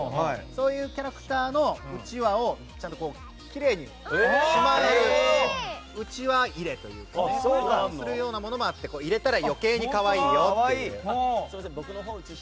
そういうキャラクターのうちわをちゃんときれいにしまえるうちわ入れというものもあって入れたら余計に可愛いよっていう。